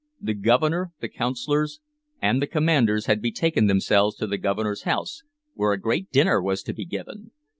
The Governor, the Councilors, and the commanders had betaken themselves to the Governor's house, where a great dinner was to be given.